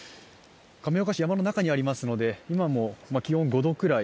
亀岡市、山の中にありますので、今の気温５度ぐらい。